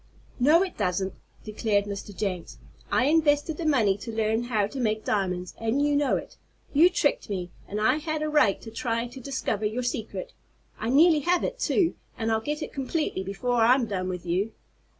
"No, it doesn't!" declared Mr. Jenks. "I invested the money to learn how to make diamonds, and you know it! You tricked me, and I had a right to try to discover your secret! I nearly have it, too, and I'll get it completely before I'm done with you!"